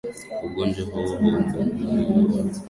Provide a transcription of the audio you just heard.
Ugonjwa huu haumbagui mtu yeyote